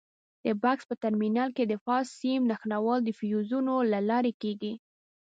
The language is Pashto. د بکس په ټرمینل کې د فاز سیم نښلول د فیوزونو له لارې کېږي.